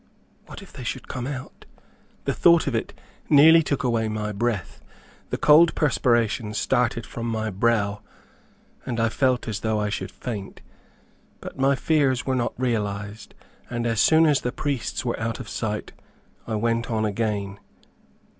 What if they should come out! The thought of it nearly took away my breath. The cold perspiration started from my brow, and I felt as though I should faint. But my fears were not realized, and as soon as the priests were out of sight, I went on again.